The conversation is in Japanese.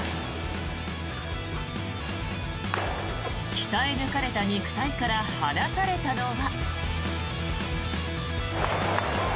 鍛え抜かれた肉体から放たれたのは。